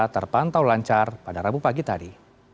terpantau lancar pada rabu pagi tadi